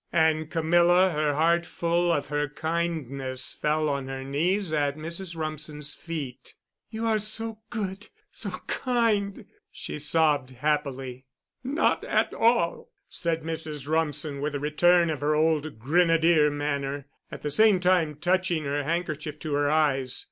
And Camilla, her heart full of her kindness, fell on her knees at Mrs. Rumsen's feet. "You are so good—so kind," she sobbed happily. "Not at all," said Mrs. Rumsen with a return of her old "grenadier" manner, at the same time touching her handkerchief to her eyes.